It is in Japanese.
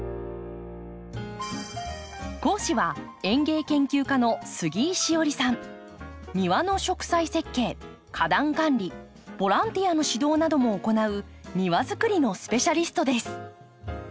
講師は庭の植栽設計花壇管理ボランティアの指導なども行う庭づくりのスペシャリストです。